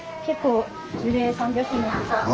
樹齢３００年の。